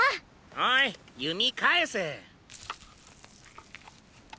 おい弓返せ。